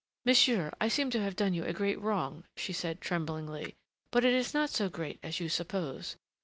"Monsieur, I seem to have done you a great wrong," she said tremblingly, "but it is not so great as you suppose.